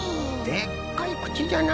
でっかいくちじゃな。